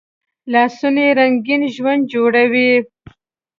لاسونه رنګین ژوند جوړوي